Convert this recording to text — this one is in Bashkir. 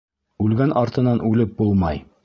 Үлгән артынан үлеп булмай...